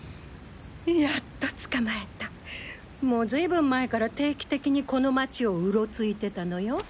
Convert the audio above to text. やっとつかまえたもうずいぶん前から定期的にこの街をうろついてたのよ。